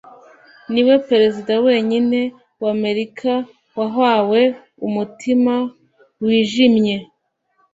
Niwe perezida wenyine w’Amerika wahawe umutima wijimye